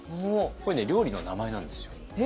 これね料理の名前なんですよ。え！？